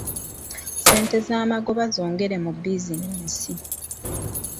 Ssente ez’amagoba z’ogere mu bizinensi.